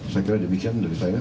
saya kira demikian menurut saya